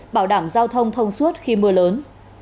bảo đảm giao thông thông suốt khi mưa lớn